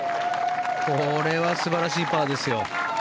これは素晴らしいパーですよ。